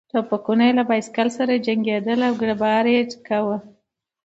ټوپکونه به یې له بایسکل سره جنګېدل او کړپهار به یې کاوه.